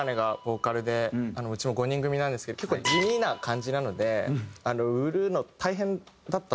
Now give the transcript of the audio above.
うちも５人組なんですけど結構地味な感じなので売るの大変だったと思うんですよね。